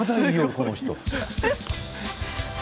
この人。